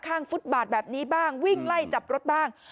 ฟุตบาทแบบนี้บ้างวิ่งไล่จับรถบ้าง